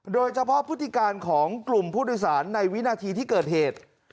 พฤติการของกลุ่มผู้โดยสารในวินาทีที่เกิดเหตุ